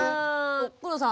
黒田さん